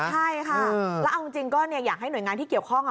ใช่ค่ะแล้วเอาจริงก็อยากให้หน่วยงานที่เกี่ยวข้อง